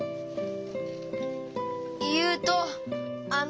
ゆうとあの。